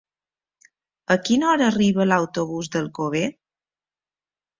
A quina hora arriba l'autobús d'Alcover?